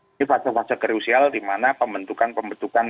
ini fase fase krusial di mana pembentukan pembentukan